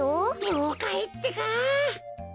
りょうかいってか。